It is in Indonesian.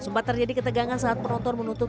sumpah terjadi ketegangan saat penonton menuntut